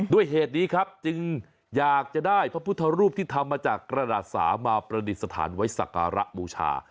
ด้วยเหตุนี้ครับจึงอยากจะได้พระพุทธรูปที่ทำมาจากกระดาษสามาประดิษฐานไว้สักการะบูชา